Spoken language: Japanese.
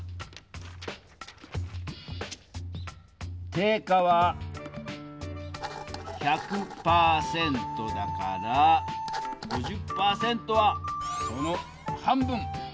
定価は１００％だから５０％はこの半分。